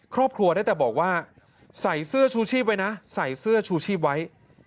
ครอบครัวได้แต่บอกว่าใส่เสื้อชูชีพไว้นะใส่เสื้อชูชีพไว้